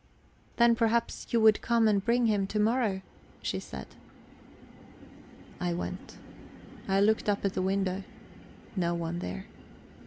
"Then, perhaps, you would come and bring him to morrow," she said. I went. I looked up at the window. No one there.